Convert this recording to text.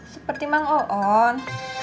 seperti mang oon